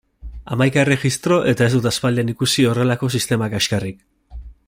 Hamaika erregistro eta ez dut aspaldian ikusi honelako sistema kaxkarrik!